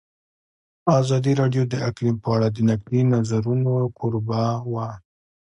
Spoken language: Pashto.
ازادي راډیو د اقلیم په اړه د نقدي نظرونو کوربه وه.